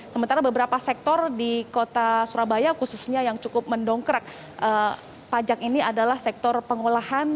sementara beberapa sektor di kota surabaya khususnya yang cukup mendongkrak pajak ini adalah sektor pengolahan